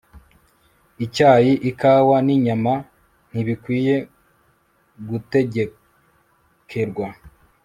Icyayi Ikawa nInyama Ntibikwiye Gutegekerwa